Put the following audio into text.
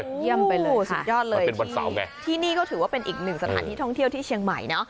เยี่ยมไปเลยโอ้โหสุดยอดเลยเป็นวันเสาร์ไงที่นี่ก็ถือว่าเป็นอีกหนึ่งสถานที่ท่องเที่ยวที่เชียงใหม่เนอะ